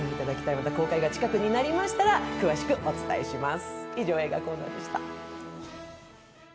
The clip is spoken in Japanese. また公開が近くなりましたら詳しくお伝えします。